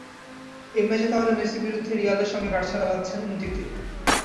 এই ম্যাচে তাহলে মেসির বিরুদ্ধেই রিয়ালের সঙ্গে গাঁটছড়া বাঁধছেন উমিতিতি ।